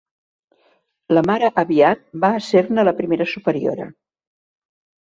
La mare Aviat va ésser-ne la primera superiora.